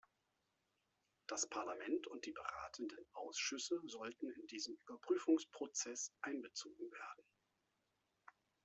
Das Parlament und die beratenden Ausschüsse sollten in diesen Überprüfungsprozess einbezogen werden.